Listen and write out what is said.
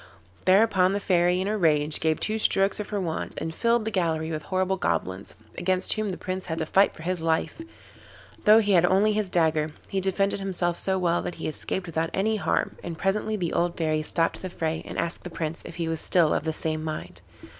Thereupon the Fairy, in a rage, gave two strokes of her wand and filled the gallery with horrible goblins, against whom the Prince had to fight for his life. Though he had only his dagger, he defended himself so well that he escaped without any harm, and presently the old Fairy stopped the fray and asked the Prince if he was still of the same mind.